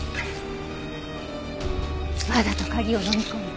わざと鍵を飲み込んだ。